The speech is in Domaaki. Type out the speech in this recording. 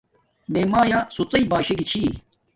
میے مایآ سوڎݵ باشے گی چھِی